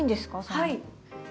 はい。